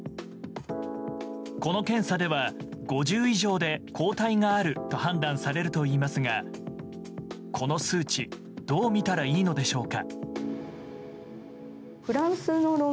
この検査では、５０以上で抗体があると判断されるといいますがこの数値どう見たらいいのでしょうか。